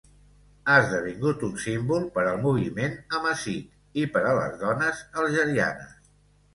Ha esdevingut un símbol per al moviment amazic i per a les dones algerianes.